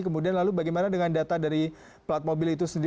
kemudian lalu bagaimana dengan data dari plat mobil itu sendiri